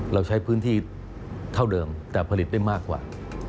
เราใช้พื้นที่เท่าเดิมแต่ผลิตได้มากกว่า